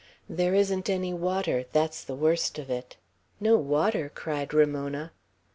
There isn't any water; that's the worst of it." "No water!" cried Ramona.